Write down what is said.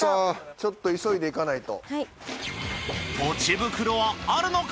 ちょっと急いで行かないと。